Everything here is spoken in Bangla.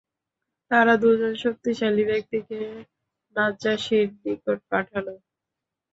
তারা দুজন শক্তিশালী ব্যক্তিকে নাজ্জাশীর নিকট পাঠাল।